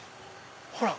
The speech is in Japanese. ほら！